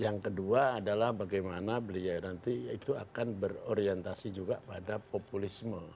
yang kedua adalah bagaimana beliau nanti itu akan berorientasi juga pada populisme